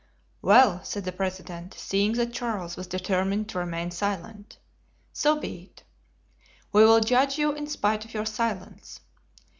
"Well," said the president, seeing that Charles was determined to remain silent, "so be it. We will judge you in spite of your silence.